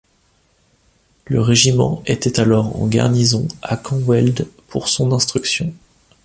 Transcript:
Le régiment était alors en garnison à Camp Weld pour son instruction.